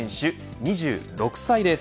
２６歳です。